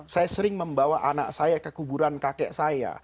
saya sering membawa anak saya ke kuburan kakek saya